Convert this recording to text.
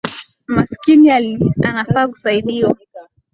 Maskini anafaa kusaidiwa